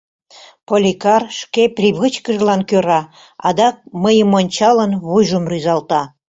Поликар шке привычкыжлан кӧра адак, мыйым ончалын, вуйжым рӱзалта.